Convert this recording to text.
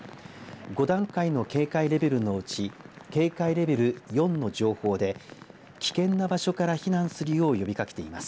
５段階の警戒レベルのうち警戒レベル４の情報で危険な場所から避難するよう呼びかけています。